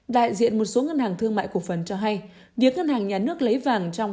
đại diện một số ngân hàng thương mại cổ phần cho hay việc ngân hàng nhà nước lấy vàng trong